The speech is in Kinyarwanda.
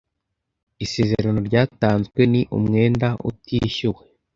Isezerano ryatanzwe ni umwenda utishyuwe.